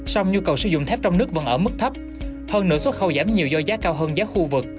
song nhu cầu sử dụng thép trong nước vẫn ở mức thấp hơn nửa xuất khẩu giảm nhiều do giá cao hơn giá khu vực